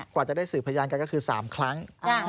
กว่าจะได้สืบพยานกันก็คือ๓ครั้ง